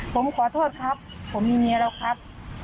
ผมขอโทษครับผมมีเมียแล้วครับ